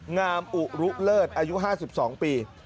งามอุรุเลิศอายุ๕๒ปี